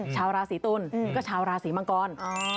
ชาวราศีตุลก็ชาวราศีมังกร